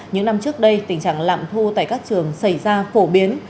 những năm trước đây tình trạng lạm thu tại các trường xảy ra phổ biến